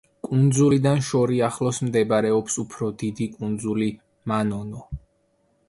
კუნძულიდან შორიახლოს მდებარეობს უფრო დიდი კუნძული მანონო.